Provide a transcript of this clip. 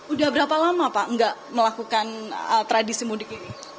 udah berapa lama pak enggak melakukan tradisi mudik ini